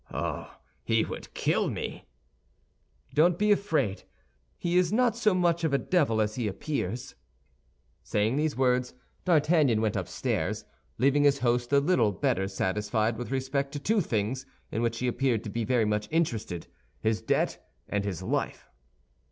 "Oh, he would kill me!" "Don't be afraid; he is not so much of a devil as he appears." Saying these words, D'Artagnan went upstairs, leaving his host a little better satisfied with respect to two things in which he appeared to be very much interested—his debt and his life.